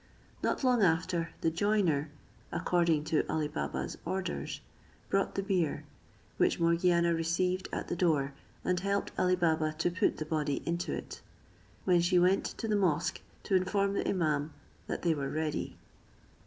Not long after, the joiner, according to Ali Baba's orders, brought the bier, which Morgiana received at the door, and helped Ali Baba to put the body into it; when she went to the mosque to inform the imaum that they were ready.